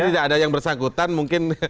tidak ada yang bersangkutan mungkin